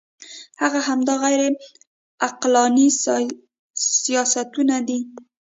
هغه همدا غیر عقلاني سیاستونه دي.